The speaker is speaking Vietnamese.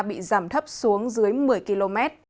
bị giảm thấp xuống dưới một mươi km